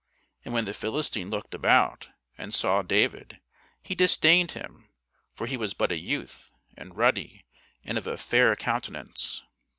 And when the Philistine looked about, and saw David, he disdained him: for he was but a youth, and ruddy, and of a fair countenance.